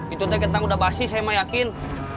itu teh kentang udah basi saya mah yakin